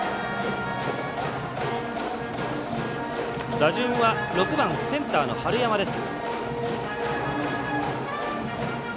打順は６番センターの春山です。